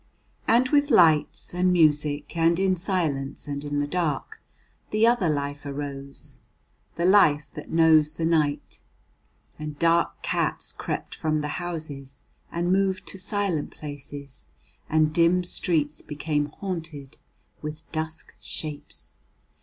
And with lights and music, and in silence and in the dark, the other life arose, the life that knows the night, and dark cats crept from the houses and moved to silent places, and dim streets became haunted with dusk shapes.